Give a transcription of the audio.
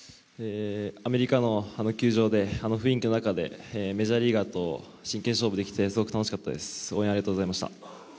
アメリカの球場で、あの雰囲気の中でメジャーリーガーと真剣勝負できてすごく楽しかったです、応援ありがとうございました。